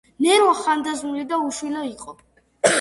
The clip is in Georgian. ნერვა ხანდაზმული და უშვილო იყო.